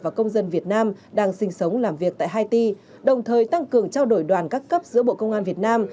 và công dân việt nam đang sinh sống làm việc tại haiti đồng thời tăng cường trao đổi đoàn các cấp giữa bộ công an việt nam